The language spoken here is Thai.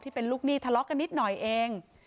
เป็นลูกหนี้ทะเลาะกันนิดหน่อยเอง